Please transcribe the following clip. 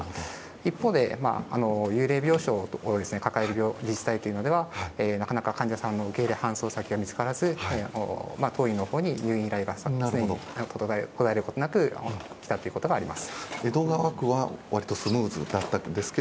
一方で、幽霊病床を抱える自治体はなかなか患者さんの受け入れ搬送先が見つからず当院の方に入院が途絶えることなく来たということがあります。